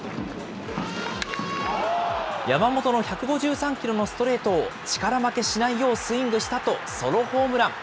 山本の１５３キロのストレートを力負けしないようスイングしたと、ソロホームラン。